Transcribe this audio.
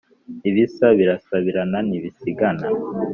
Ibisa birasabirana nti bisigana